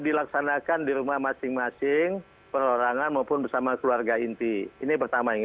dilaksanakan di rumah masing masing perorangan maupun bersama keluarga inti ini pertama yang